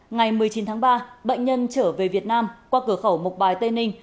ngày một mươi chín tháng ba bệnh nhân trở về việt nam qua cửa khẩu mộc bài tây ninh